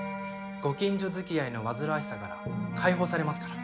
ご近所づきあいの煩わしさから解放されますから。